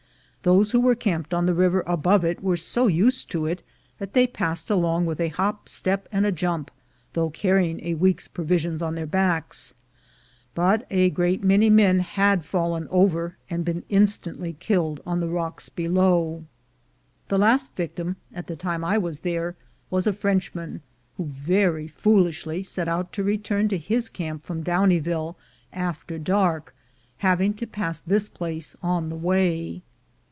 Those who were camped on the river above it, were so used to it that they passed along with a hop, step, and a jump, though carrying a week's provi sions on their backs, but a great many men had fallen over, and been instantly killed on the rocks below. ON THE WAY TO DOWNIEVILLE 215 The last victim, at the time I was there, was a Frenchman, who very foolishly set out to return to his camp from Downieville after dark, having to pass this place on the way.